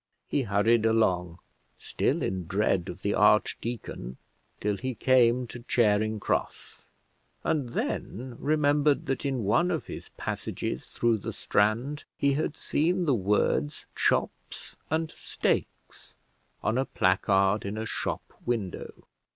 He hurried along, still in dread of the archdeacon, till he came to Charing Cross, and then remembered that in one of his passages through the Strand he had seen the words "Chops and Steaks" on a placard in a shop window.